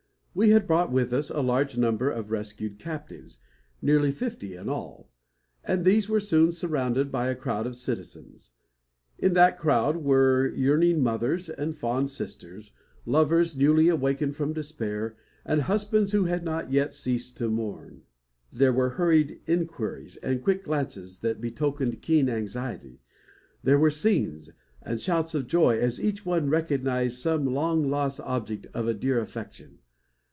We had brought with us a large number of rescued captives nearly fifty in all and these were soon surrounded by a crowd of citizens. In that crowd were yearning mothers and fond sisters, lovers newly awakened from despair, and husbands who had not yet ceased to mourn. There were hurried inquiries, and quick glances, that betokened keen anxiety. There were "scenes" and shouts of joy, as each one recognised some long lost object of a dear affection.